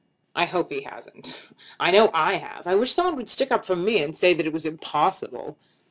"I hope he hasn't. I know I have. I wish someone would stick up for me, and say that it was impossible."